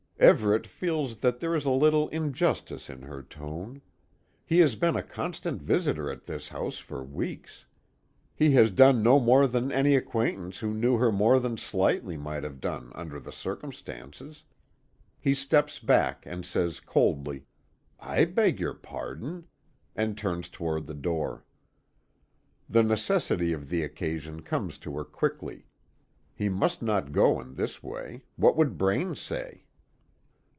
Everet feels that there is a little injustice in her tone. He has been a constant visitor at this house for weeks. He has done no more than any acquaintance, who knew her more than slightly, might have done under the circumstances. He steps back, and says coldly: "I beg your pardon," and turns toward the door. The necessity of the occasion comes to her quickly. He must not go in this way what would Braine say.